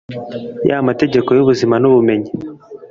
ya mategeko y'ubuzima n'ubumenyi